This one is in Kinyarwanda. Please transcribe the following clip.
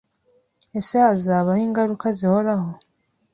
Ese hazabaho ingaruka zihoraho?